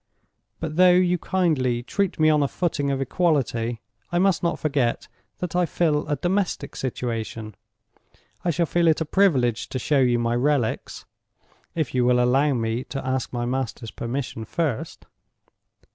But though you kindly treat me on a footing of equality, I must not forget that I fill a domestic situation. I shall feel it a privilege to show you my relics, if you will allow me to ask my master's permission first."